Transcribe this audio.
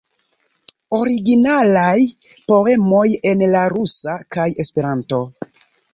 Originalaj poemoj en la rusa kaj Esperanto.